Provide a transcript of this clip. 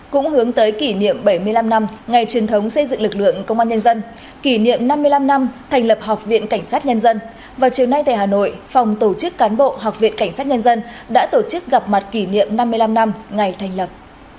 cũng hướng tới kỷ niệm bảy mươi năm năm ngày truyền thống xây dựng lực lượng công an nhân dân kỷ niệm năm mươi năm năm thành lập học viện cảnh sát nhân dân vào chiều nay tại hà nội phòng tổ chức cán bộ học viện cảnh sát nhân dân đã tổ chức gặp mặt kỷ niệm năm mươi năm năm ngày thành lập